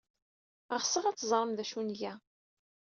Ɣseɣ ad teẓrem d acu ay nga.